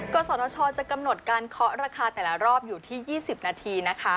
กศชจะกำหนดการเคาะราคาแต่ละรอบอยู่ที่๒๐นาทีนะคะ